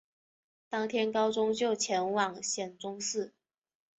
当天高宗就前往显忠寺。